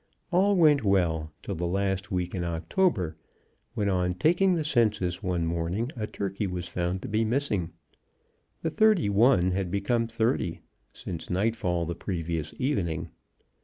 All went well till the last week in October, when, on taking the census one morning, a turkey was found to be missing; the thirty one had become thirty since nightfall the previous evening.